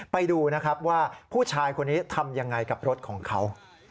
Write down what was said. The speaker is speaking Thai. ไปดูนะครับว่าผู้ชายคนนี้ทำยังไงกับรถของเขา